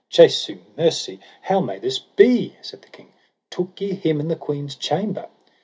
Jesu mercy, how may this be? said the king; took ye him in the queen's chamber?